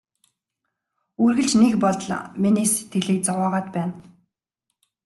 Үргэлж нэг бодол миний сэтгэлийг зовоогоод байна.